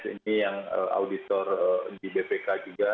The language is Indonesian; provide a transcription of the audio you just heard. ini yang auditor di bpk juga